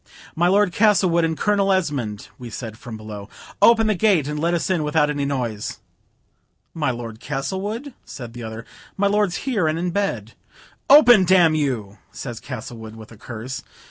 "My Lord Castlewood and Colonel Esmond," we said, from below. "Open the gate and let us in without any noise." "My Lord Castlewood?" says the other; "my lord's here, and in bed." "Open, d n you," says Castlewood, with a curse.